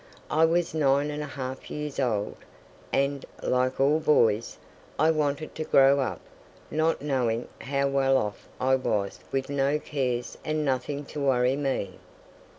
I was nine and a half years old; and, like all boys, I wanted to grow up—not knowing how well off I was with no cares and nothing to worry me.